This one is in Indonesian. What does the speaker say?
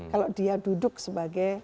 kalau dia duduk sebagai